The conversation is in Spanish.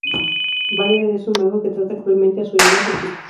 Valerian es un mago que trata cruelmente a su ayudante, Chico.